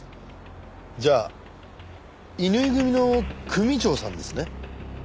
じゃあ伊縫組の組長さんですね。